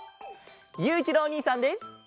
ゆういちろうおにいさんです！